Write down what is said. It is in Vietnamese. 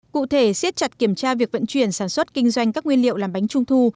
cụ thể siết chặt kiểm tra việc vận chuyển sản xuất kinh doanh các nguyên liệu làm bánh trung thu